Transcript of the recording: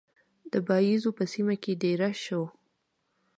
د باییزو په سیمه کې دېره شو.